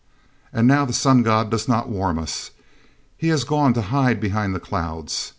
"And now the Sun god does not warm us. He has gone to hide behind the clouds.